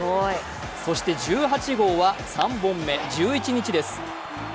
そして１８号は３本目１１日です。